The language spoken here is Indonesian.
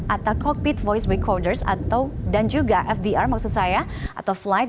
antaraalia vision selanjutnya gabung mscdeal chaos